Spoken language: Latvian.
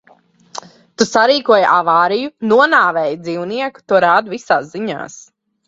Tu sarīkoji avāriju, nonāvēji dzīvnieku. To rāda visās ziņās.